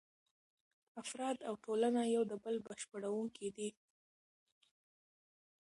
افراد او ټولنه یو د بل بشپړونکي دي.